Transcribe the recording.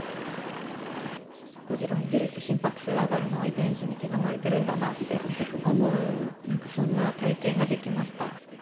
ゴジラを見ると心拍数が上がるのは遺伝子に刻まれてるんだなって思う、なんかそんな体験ができました。